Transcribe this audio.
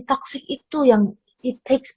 toksik itu yang it takes